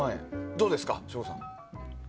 どうですか省吾さん。